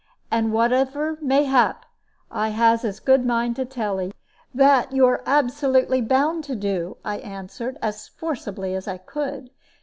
And whatever may hap, I has as good mind to tell 'e." "That you are absolutely bound to do," I answered, as forcibly as I could.